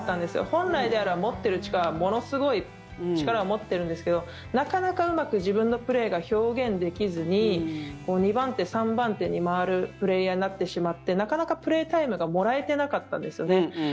本来であれば、持っている力はものすごい力を持ってるんですけどなかなかうまく自分のプレーが表現できずに２番手、３番手に回るプレーヤーになってしまってなかなかプレータイムがもらえてなかったんですよね。